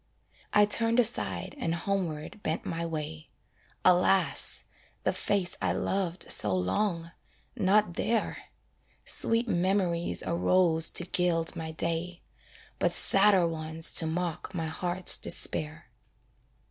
I turned aside and homeward bent my way; Alas! the face I loved so long not there Sweet memories arose to gild my day, But sadder ones to mock my heart's despair.